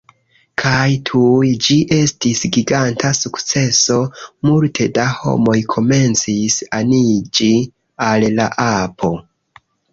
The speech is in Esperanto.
Kaj tuj ĝi estis giganta sukceso! Multe da homoj komencis aniĝi al la apo